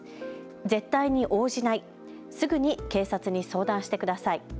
絶対に応じない、すぐに警察に相談してください。